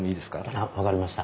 あっ分かりました。